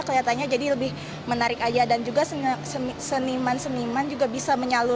kelihatannya jadi lebih menarik aja dan juga seniman seniman juga bisa menyalurkan